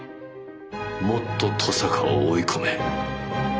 もっと登坂を追い込め。